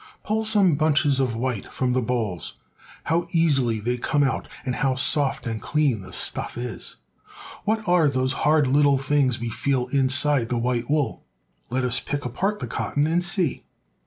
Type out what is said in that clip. Pull some bunches of white from the bolls. How easily they come out, and how soft and clean the stuff is! What are those hard little things we feel inside the white wool ? Let us pick apart the cot ton and see.